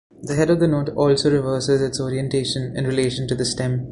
The head of the note also reverses its orientation in relation to the stem.